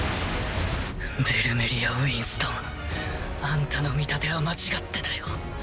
ベルメリア・ウィンストンあんたの見立ては間違ってたよ。